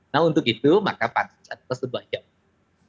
nah untuk itu maka panik adalah sebuah jawaban